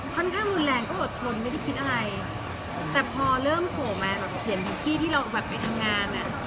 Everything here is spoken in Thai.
ครั้งเรียนก็โดดขนไม่ได้คิดอะไรแต่พอเริ่มโผล่มาเขียนที่เราแบบมี้งานอ่ะ